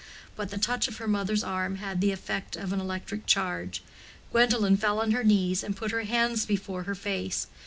But the touch of her mother's arm had the effect of an electric charge; Gwendolen fell on her knees and put her hands before her face.